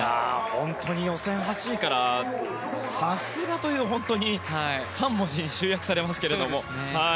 本当に予選８位からさすがという３文字に集約されますけども。